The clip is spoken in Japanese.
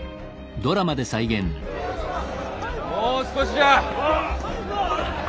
もう少しじゃ！